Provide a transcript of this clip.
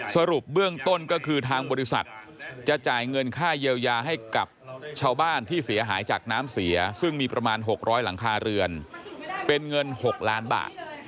สรุปเบื้องต้นก็คือทางบริษัทจะจ่ายเงินค่าเยียวยาให้กับชาวบ้านที่เสียหายจากน้ำเสียซึ่งมีประมาณ๖๐๐หลังคาเรือนเป็นเงิน๖ล้านบาท